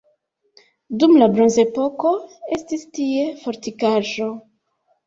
Dum la bronzepoko estis tie fortikaĵo.